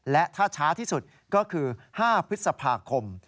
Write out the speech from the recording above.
และถ้าช้าที่สุดก็คือ๕พฤษภาคม